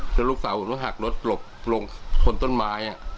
แล้วลูกสาวผมต้องหักรถหลบลงคนต้นไม้